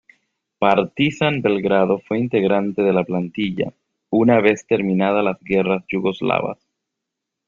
Partizan Belgrado fue integrante de la plantilla una vez terminada las Guerras Yugoslavas.